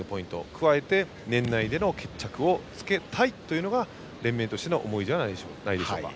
加えて、年内での決着をつけたいというのが連盟としての思いじゃないでしょうか。